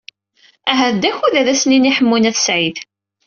Ahat d akud ad as-nini i Ḥemmu n At Sɛid.